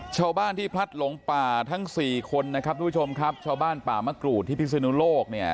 ชาวบ้านที่พลัดหลงป่าทั้งสี่คนนะครับทุกผู้ชมครับชาวบ้านป่ามะกรูดที่พิศนุโลกเนี่ย